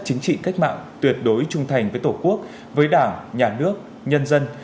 chính trị cách mạng tuyệt đối trung thành với tổ quốc với đảng nhà nước nhân dân